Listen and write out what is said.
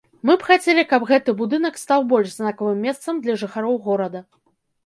Мы б хацелі, каб гэты будынак стаў больш знакавым месцам для жыхароў горада.